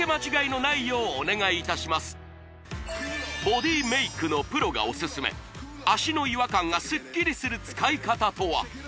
ボディメイクのプロがオススメ脚の違和感がスッキリする使い方とは？